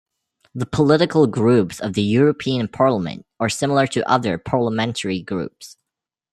The political groups of the European Parliament are similar to other parliamentary groups.